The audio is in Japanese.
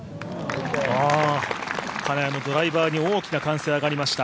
金谷のドライバーに大きな歓声が上がりました。